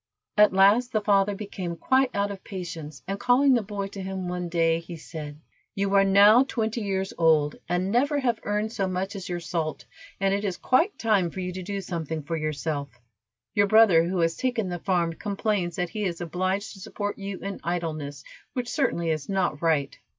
At last the father became quite out of patience, and calling the boy to him one day, he said: "You are now twenty years old, and never have earned so much as your salt, and it is quite time for you to do something for yourself. Your brother, who has taken the farm, complains that he is obliged to support you in idleness, which certainly is not right."